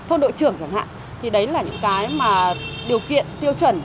thôn đội trưởng chẳng hạn thì đấy là những cái mà điều kiện tiêu chuẩn